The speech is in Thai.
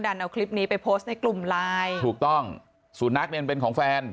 ดันเอาคลิปนี้ไปโพสต์ในกลุ่มไลน์ถูกต้องสุนัขเนี่ยมันเป็นของแฟน